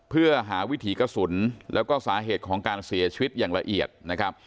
เพื่อหาวิถีกระสุนแล้วก็สาเหตุของการเสียชีวิตอย่างละเอียดนะครับ